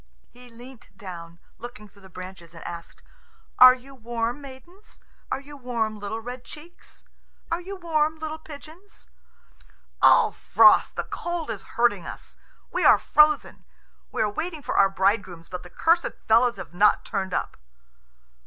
He leant down, looking through the branches, and asked, "Are you warm, maidens? Are you warm, little red cheeks? Are you warm, little pigeons?" "Ugh, Frost, the cold is hurting us. We are frozen. We are waiting for our bridegrooms, but the cursed fellows have not turned up."